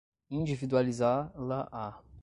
individualizá-la-á